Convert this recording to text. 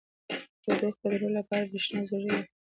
• د تودوخې کنټرول لپاره برېښنا ضروري ده.